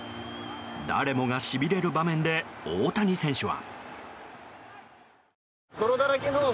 誰もがしびれる場面で大谷選手は。